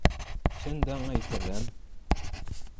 Sanda ay t-terram?